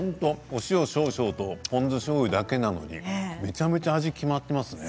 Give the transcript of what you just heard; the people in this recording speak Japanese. お塩を少々とポン酢しょうゆだけなのにめちゃめちゃ味が決まっていますね。